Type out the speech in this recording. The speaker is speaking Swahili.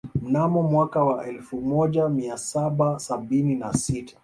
Mnamo mwaka wa elfu moja mia saba sabini na sita